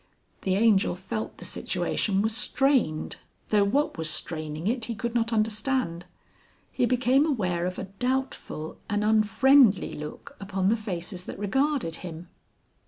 The Angel felt the situation was strained, though what was straining it he could not understand. He became aware of a doubtful, an unfriendly look upon the faces that regarded him.